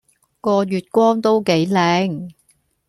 個月光都幾靚